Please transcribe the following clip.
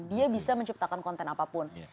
dia bisa menciptakan konten apapun